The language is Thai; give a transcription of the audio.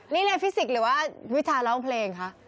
นี่เลยฟิสิกส์หรือว่าวิชาร้องเพลงคะ